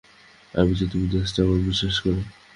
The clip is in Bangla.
আমি চাই তুমি জাস্ট আমাকে বিশ্বাস করো!